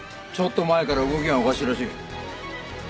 ちょっと前から動きがおかしいらしい。